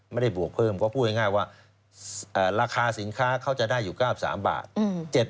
บวกเพิ่มก็พูดง่ายว่าราคาสินค้าเขาจะได้อยู่๙๓บาท